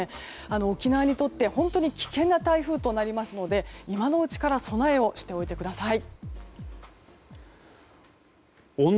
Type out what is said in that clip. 沖縄にとって本当に危険な台風となりますので今のうちから備えをしておいてください。